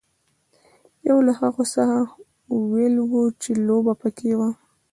یوه له هغو څخه هویل وه چې لوبه پکې وه.